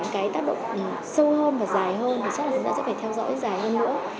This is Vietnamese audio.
cái tác động sâu hơn và dài hơn thì chắc là chúng ta sẽ phải theo dõi dài hơn nữa